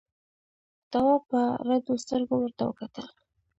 تواب په رډو سترګو ورته وکتل.